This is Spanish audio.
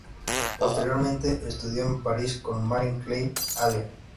Posteriormente estudió en París con Marie-Claire Alain.